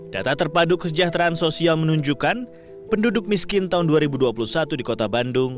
data terpadu kesejahteraan sosial menunjukkan penduduk miskin tahun dua ribu dua puluh satu di kota bandung